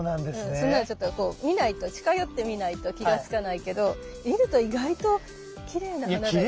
そんなのちょっとこう見ないと近寄って見ないと気が付かないけど見ると意外ときれいな花だよね。